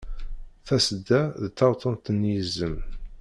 Tasedda d tawtemt n yizem.